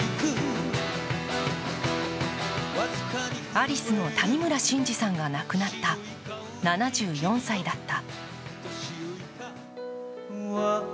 アリスの谷村新司さんが亡くなった７４歳だった。